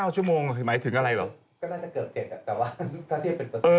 ๙ชั่วโมงหมายถึงอะไรเหรอก็น่าจะเกือบ๗แต่ว่าถ้าเทียบเป็นเปอร์เซ็น